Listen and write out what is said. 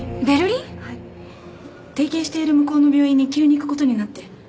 はい。提携している向こうの病院に急に行くことになって。